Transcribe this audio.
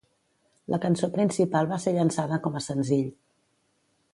La cançó principal va ser llançada com a senzill.